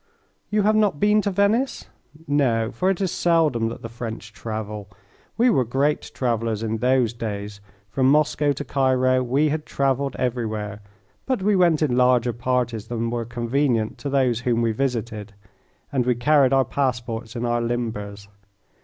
You have not been to Venice? No, for it is seldom that the French travel. We were great travellers in those days. From Moscow to Cairo we had travelled everywhere, but we went in larger parties than were convenient to those whom we visited, and we carried our passports in our limbers.